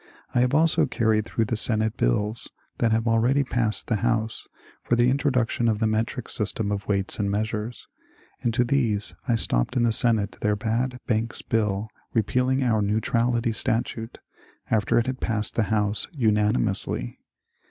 I hare also carried through the Senate bills, that have already passed the House, for the introduction of the metric system of weights and measures. Add to these, I stopped in the Senate their bad Banks Bill repealing our neu trality statute, after it had passed the House unanimously.